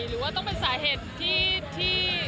หรือว่าต้องเป็นสาเหตุที่